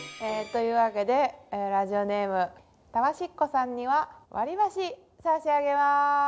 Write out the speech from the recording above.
えというわけでラジオネーム「たわしっ子」さんには割り箸差し上げます。